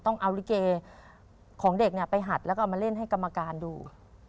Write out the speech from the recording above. ต้องเอาลิเกของเด็กไปหัดแล้วก็เอามาเล่นให้กรรมการดู